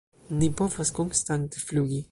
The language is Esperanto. "Ni povas konstante flugi!"